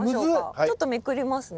ちょっとめくりますね。